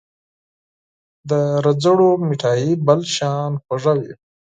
د رځړو مټايي بل شان خوږه وي